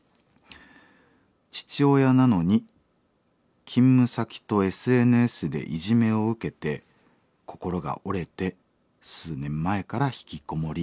「父親なのに勤務先とＳＮＳでいじめを受けて心が折れて数年前からひきこもり。